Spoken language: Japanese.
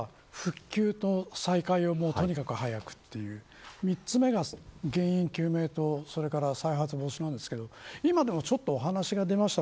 ２つ目が復旧と再開をとにかく早くという３つ目が原因究明とそれから再発防止なんですけど今、お話が出ました